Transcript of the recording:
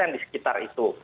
di sekitar itu